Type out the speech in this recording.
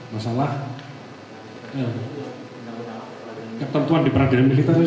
masalah ketentuan di peradilan kita